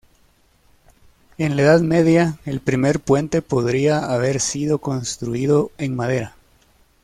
En la Edad Media, el primer puente podría haber sido construido en madera.